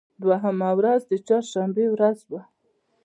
دوهمه ورځ د چهار شنبې ورځ وه.